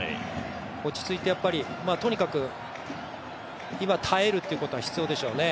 落ち着いて、とにかく今、耐えるってことが必要でしょうね。